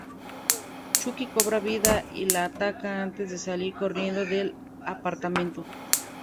Chucky cobra vida y la ataca antes de salir corriendo del apartamento.